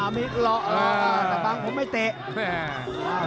ปักบังผมไม่เตะ